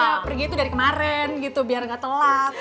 makanya pergi tuh dari kemaren gitu biar gak telap